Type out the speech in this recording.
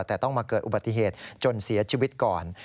แต่ต้องมาเกิดอุบัติเหตุจนเสียชีวิตก่อน